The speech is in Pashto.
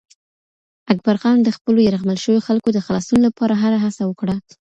اکبرخان د خپلو یرغمل شویو خلکو د خلاصون لپاره هره هڅه وکړه.